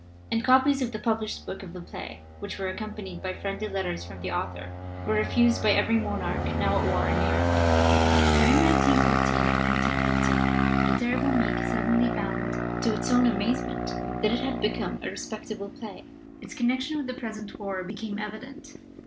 And copies of the published book of the play, which were accompanied by friendly let ters from the author, were refused by every mon arch now at war in Europe! 291 LITERATURE IN THE MAKING "But in 1914 and 1915 The Terrible Meek sud denly found, to its own amazement, that it had become a respectable play! Its connection with the present war became evident.